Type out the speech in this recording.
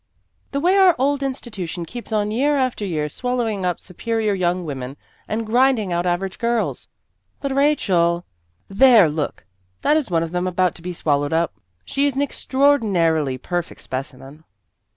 " The way our old institution keeps on year after year swallowing up superior young women, and grinding out average girls." " But, Rachel "" There, look ! That is one of them about to be swallowed up. She is an ex traordinarily perfect specimen."